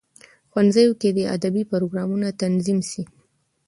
ښوونځیو کې دي ادبي پروګرامونه تنظیم سي.